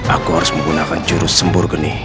aku harus menggunakan jurus sempur geni